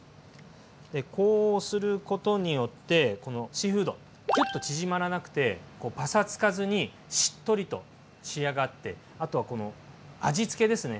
こうすることによってこのシーフードキュッと縮まらなくてパサつかずにしっとりと仕上がってあとはこの味付けですね。